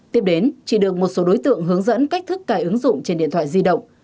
tiếp đến chị được một số đối tượng hướng dẫn cách thức cài ứng dụng trên điện thoại di động